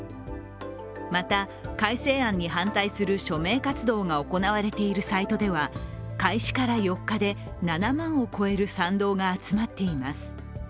また、改正案に反対する署名活動が行われているサイトでは開始から４日で７万を超える賛同が集まっています。